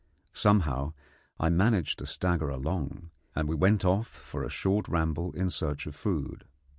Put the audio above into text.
Somehow I managed to stagger along, and we went off for a short ramble in search of food.